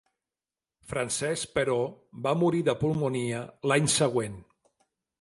Francesc però, va morir de pulmonia l'any següent.